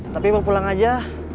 tapi mau pulang aja